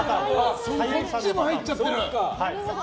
そっちも入っちゃってる。